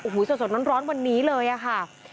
อ่อโหสนร้อนวันนี้เลยค่ะ